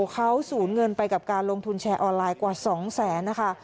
เขาสูญเงินไปกับการลงทุนแชร์ออนไลน์กว่า๒แสนนะคะ